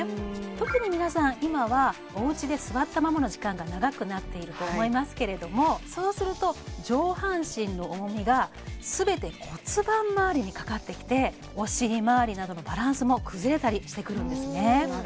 特に皆さん今はおうちで座ったままの時間が長くなっていると思いますけれどもそうすると上半身の重みが全て骨盤まわりにかかってきてお尻まわりなどのバランスも崩れたりしてくるんですね